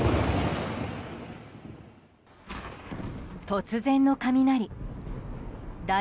突然の雷。